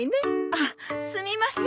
あすみません。